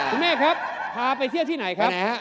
คุณแม่ครับพาไปเที่ยวที่ไหนครับ